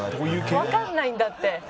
わかんないんだって。